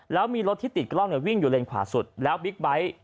แล้วมีรถที่ติดกล้องวิ่งอยู่เลนขวาสุดแล้วบิ๊กไบท์